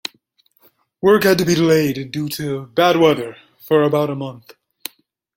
Work had to be delayed due to bad weather for about a month.